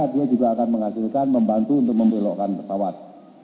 dia juga akan menghasilkan membantu untuk membelokkan pesawat